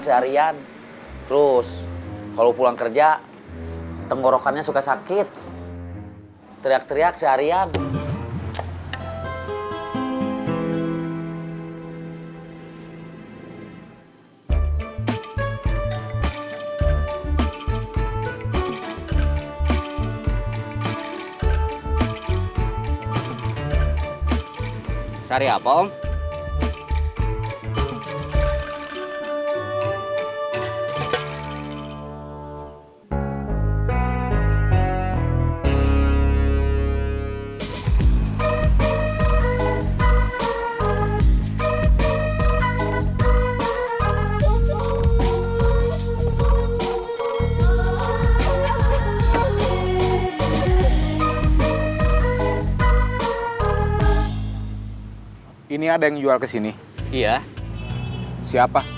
seharian terus kalau pulang kerja tenggorokannya suka sakit teriak teriak seharian cari apa